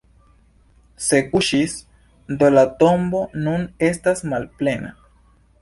Se "kuŝis", do la tombo nun estas malplena.